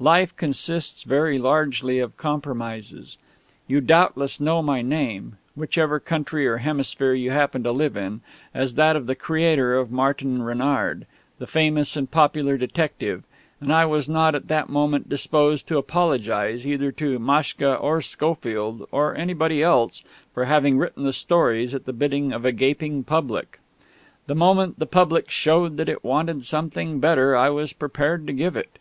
Life consists very largely of compromises. You doubtless know my name, whichever country or hemisphere you happen to live in, as that of the creator of Martin Renard, the famous and popular detective; and I was not at that moment disposed to apologise, either to Maschka or Schofield or anybody else, for having written the stories at the bidding of a gaping public. The moment the public showed that it wanted something better I was prepared to give it.